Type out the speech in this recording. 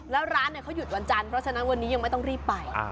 แล้วร้านเขาหยุดวันจันทร์เพราะฉะนั้นวันนี้ยังไม่ต้องรีบไป